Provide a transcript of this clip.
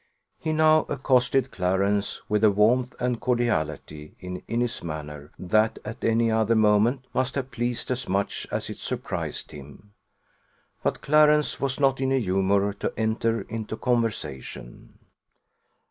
He now accosted Clarence with a warmth and cordiality in his manner that at any other moment must have pleased as much as it surprised him; but Clarence was not in a humour to enter into conversation.